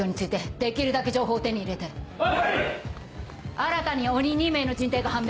新たに鬼２名の人定が判明。